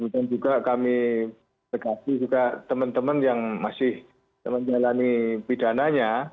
juga kami dekati juga teman teman yang masih menjalani pidananya